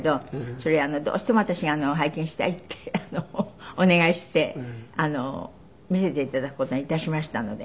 それどうしても私拝見したいってお願いして見せて頂く事に致しましたので。